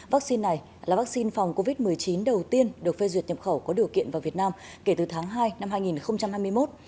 vaccine này là vaccine phòng covid một mươi chín đầu tiên được phê duyệt nhập khẩu có điều kiện vào việt nam kể từ tháng hai năm hai nghìn hai mươi một